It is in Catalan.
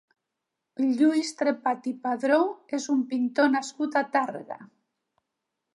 Lluís Trepat i Padró és un pintor nascut a Tàrrega.